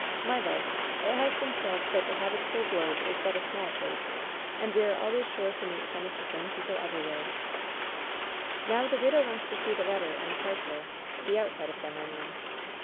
"My love, it has been said that the habitable globe is 204 LOVE'S BITTEREST CUP but a small place, and we are always sure to meet some of the same people everywhere." "Now, the widow wants to see the letter and the parcel — the outside of them, I mean."